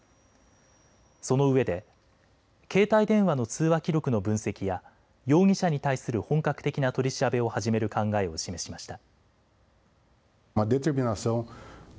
そのうえで携帯電話の通話記録の分析や容疑者に対する本格的な取り調べを始める考えを示しました。